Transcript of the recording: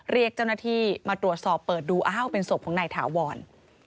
เรียกเจ้าหน้าที่มาตรวจสอบเปิดดูอ้าวเป็นศพของนายถาวร